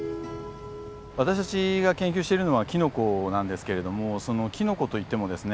私たちが研究してるのはキノコなんですけれどもそのキノコといってもですね